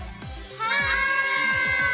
はい！